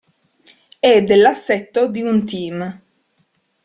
E dell'assetto di un team.